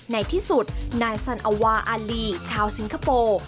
ในที่สุดนายสันอวาอารีชาวสิงคโปร์